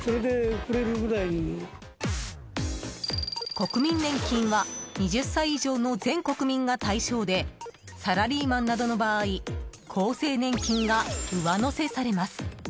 国民年金は２０歳以上の全国民が対象でサラリーマンなどの場合厚生年金が上乗せされます。